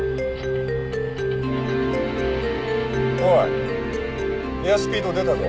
おいエアスピード出たぞ。